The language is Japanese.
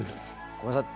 ごめんなさい。